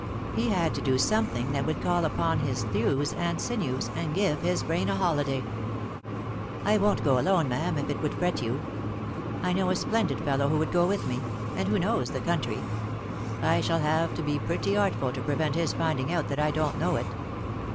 He had to do something that would call upon his thews and sinews, and give his brain a holiday. "I won't go alone, ma'am, if it would fret you. I know a splendid fellow who would go with me — and who knows the country. I shall have to be pretty artful to prevent his finding out that I don't know it."